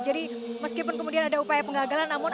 jadi meskipun kemudian ada upaya pengagalan